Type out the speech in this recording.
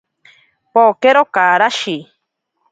Pokero karashi.